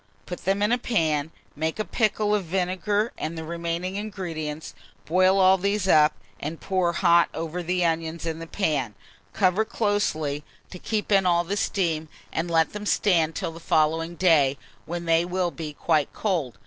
Put them in a pan, make a pickle of vinegar and the remaining ingredients, boil all these up, and pour hot over the onions in the pan. Cover very closely to keep in all the steam, and let them stand till the following day, when they will be quite cold.